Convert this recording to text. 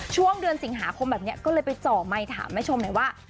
ช่วงเดือนสิงหาคมแบบนี้ก็เลยไปเจาะไมค์ถามแม่ชมหน่อยว่า